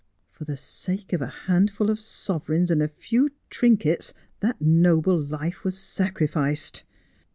For the sake of a handful of sovereigns and a few trinkets that noble life was sacrificed.